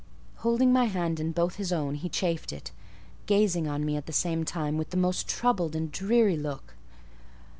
Holding my hand in both his own, he chafed it; gazing on me, at the same time, with the most troubled and dreary look.